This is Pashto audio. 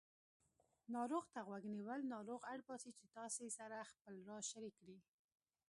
ناروغ ته غوږ نیول ناروغ اړباسي چې تاسې سره خپل راز شریک کړي